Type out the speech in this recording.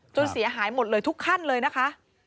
เสียหายหมดเลยทุกขั้นเลยนะคะ